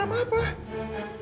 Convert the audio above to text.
kakak gak sadar apa apa